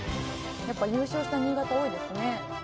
「やっぱ優勝した新潟多いですね」